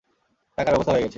টাকার ব্যবস্থা হয়ে গেছে।